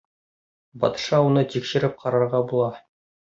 Батша уны тикшереп ҡарарға була.